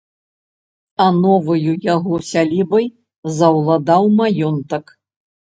А новаю яго сялібай заўладаў маёнтак.